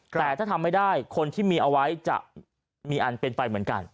แต่ถ้าทำไม่ได้คนที่มีเอาไว้จะมีอันเป็นไปเหมือนกัน